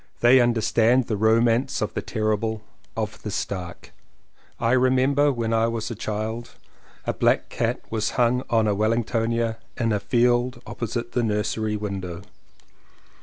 They understand the romance of the terrible, of the stark. 183 CONFESSIONS OF TWO BROTHERS I remember when I was a child a black cat was hung on a Wellingtonia in a field opposite the nursery window.